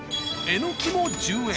えのき１０円。